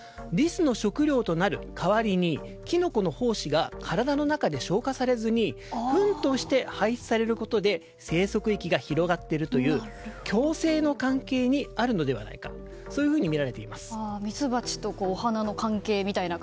神戸大学大学院の末次健司教授によりますとリスの食料となる代わりにキノコの胞子が体の中で消化されずにふんとして排出されることで生息域が広がっているという共生の関係にあるのではないかとミツバチとお花の関係